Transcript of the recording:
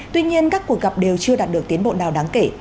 tuy nhiên các cuộc gặp đều chưa đạt được tiến bộ nào đáng kể